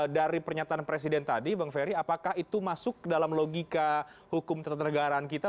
dari pernyataan presiden tadi bang ferry apakah itu masuk dalam logika hukum tata negaraan kita